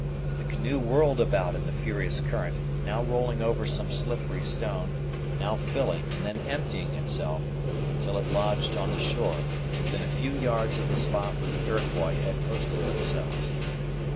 The canoe whirled about in the furious current, now rolling over some slippery stone, now filling, and then emptying itself, until it lodged on the shore, within a few yards of the spot where the Iroquois had posted themselves.